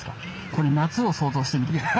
これ夏を想像してみて下さい。